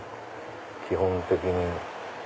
基本的に。